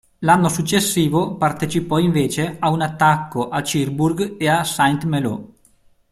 L'anno successivo partecipò invece ad un attacco a Cherbourg e a Saint-Malo.